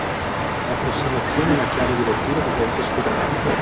L’approssimazione è la chiave di lettura di questo spettacolo